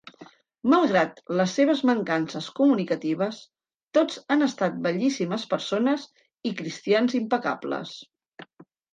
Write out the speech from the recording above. Malgrat les seves mancances comunicatives, tots han estat bellíssimes persones i cristians impecables.